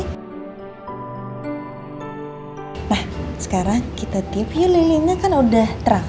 nah sekarang kita tip yu lilinya kan udah terang